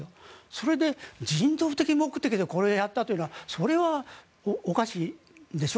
それで、人道目的でこれをやったというのはそれはおかしいでしょ。